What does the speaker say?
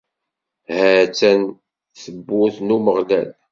Ḥa-tt-an tewwurt n Umeɣlal.